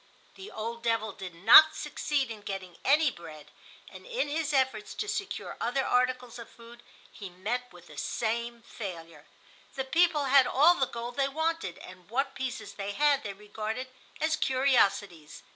The old devil did not succeed in getting any bread, and in his efforts to secure other articles of food he met with the same failure. The people had all the gold they wanted and what pieces they had they regarded as curiosities.